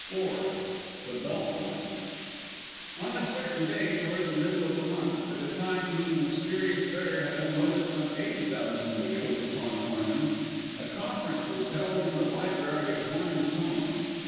IV. THE BELT LINE On a certain day toward the middle of the month, at a time when the mysterious Bear had unloaded some eighty thousand bushels upon Hornung, a conference was held in the library of Hornung's home.